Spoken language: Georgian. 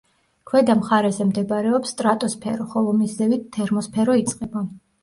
ქვედა მხარეზე მდებარეობს სტრატოსფერო, ხოლო მის ზევით თერმოსფერო იწყება.